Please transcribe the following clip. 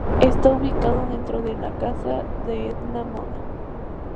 Está ubicado dentro de la casa de Edna Moda.